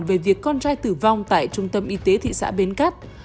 về việc con trai tử vong tại trung tâm y tế thị xã bến cát